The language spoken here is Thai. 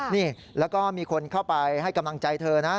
นี่แล้วก็มีคนเข้าไปให้กำลังใจเธอนะ